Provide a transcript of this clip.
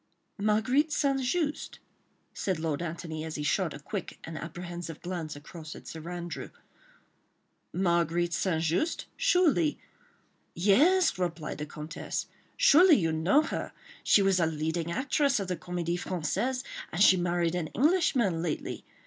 "Marguerite St. Just?" said Lord Antony, as he shot a quick and apprehensive glance across at Sir Andrew. "Marguerite St. Just?—Surely ..." "Yes!" replied the Comtesse, "surely you know her. She was a leading actress of the Comédie Française, and she married an Englishman lately.